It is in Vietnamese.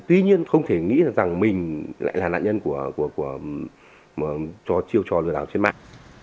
tuy nhiên không thể nghĩ rằng mình lại là nạn nhân cho chiêu trò lừa đảo trên mạng